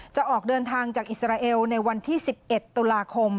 จะออกเดินทางจากอิสราเอลในวันที่๑๑ตุลาคม